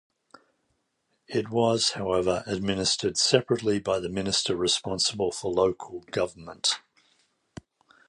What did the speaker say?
It was, however, administered separately by the Minister responsible for local government.